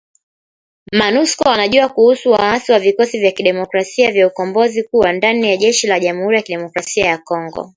Monusco wanajua kuhusu waasi wa Vikosi vya Kidemokrasia vya Ukombozi kuwa ndani ya jeshi la Jamhuri ya Kidemokrasia ya Kongo.